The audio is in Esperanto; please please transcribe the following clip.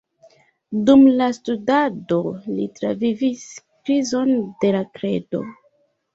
Dum la studado li travivis krizon de la kredo.